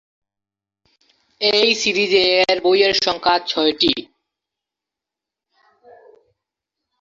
এই সিরিজের বইয়ের সংখ্যা ছয়টি।